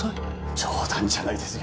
冗談じゃないですよ